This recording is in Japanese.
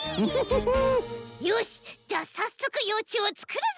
よしっじゃあさっそくようちゅうをつくるぞ！